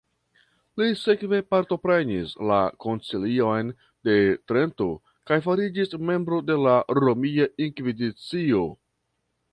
Li sekve partoprenis la koncilion de Trento kaj fariĝis membro de la Romia Inkvizicio.